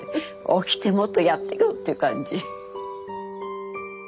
起きてもっとやってよという感じ。